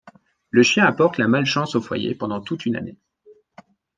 Le chien apporte la malchance au foyer pendant toute une année.